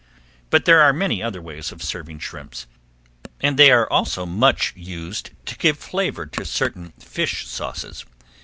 But there are many other ways of serving shrimps, and they are also much used to give flavor to certain fish sauces.